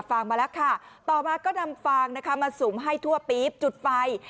ฟางมาแล้วค่ะต่อมาก็นำฟางนะคะมาสุมให้ทั่วปี๊บจุดไฟ